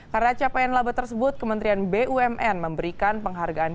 karena capaian laba tersebut kementerian bumn memberikan penghargaan